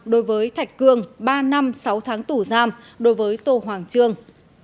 đối với thạch cương ba năm sáu tháng tù giam đối với tô hoàng trương